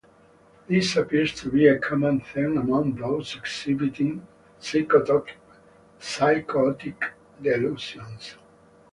This appears to be a common theme among those exhibiting psychotic delusions.